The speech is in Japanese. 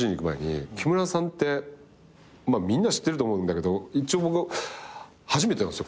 木村さんってまあみんな知ってると思うんだけど一応僕初めてなんですよ